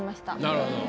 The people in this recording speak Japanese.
なるほど。